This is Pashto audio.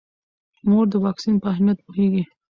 مور د واکسین په اهمیت پوهیږي.